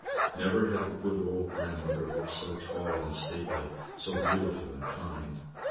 Never had the good old grandmother looked so tall and stately, so beautiful and kind.